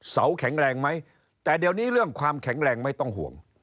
แข็งแรงไหมแต่เดี๋ยวนี้เรื่องความแข็งแรงไม่ต้องห่วง